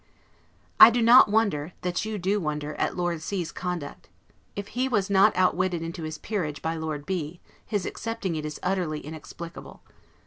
I do not wonder, that you do wonder, at Lord C 's conduct. If he was not outwitted into his peerage by Lord B , his accepting it is utterly inexplicable.